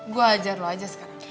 gue ajar lo aja sekarang